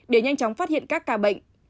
để nhanh chóng phát hiện các ca bệnh